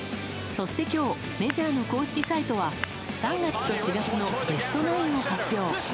そして今日メジャーの公式サイトは３月と４月のベストナインを発表。